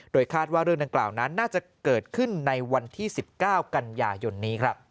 คาดว่าเรื่องดังกล่าวนั้นน่าจะเกิดขึ้นในวันที่๑๙กันยายนนี้ครับ